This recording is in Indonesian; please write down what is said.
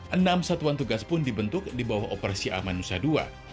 enam satuan tugas pun dibentuk di bawah operasi amanusa ii